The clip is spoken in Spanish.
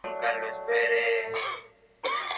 Está ubicada en las regiones Lima, Áncash y Huánuco.